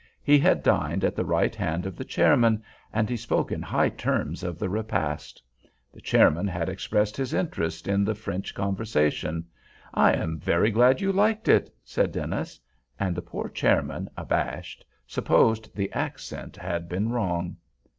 He had dined at the right hand of the chairman, and he spoke in high terms of the repast. The chairman had expressed his interest in the French conversation. "I am very glad you liked it," said Dennis; and the poor chairman, abashed, supposed the accent had been wrong.